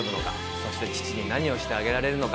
そして父に何をしてあげられるのか。